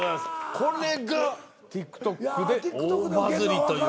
これがＴｉｋＴｏｋで大バズリという。